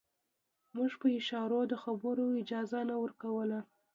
موږ په اشارو د خبرو اجازه نه ورکوله.